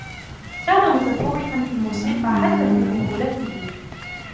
كان متفوقا في الموسيقى حتى في طفولته.